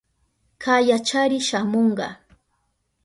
Kayachari shamunka.